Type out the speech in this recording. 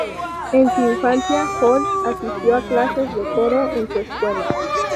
En su infancia, Holt asistió a clases de coro en su escuela.